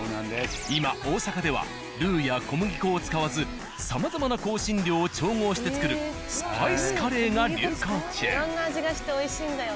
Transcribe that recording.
今大阪ではルウや小麦粉を使わずさまざまな香辛料を調合して作るスパイスカレーが流行中。